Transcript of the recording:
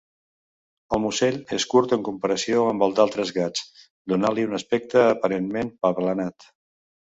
El musell és curt en comparació amb el d'altres gats, donant-li un aspecte aparentment aplanat.